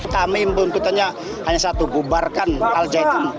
kami tuntutannya hanya satu bubarkan al zaitun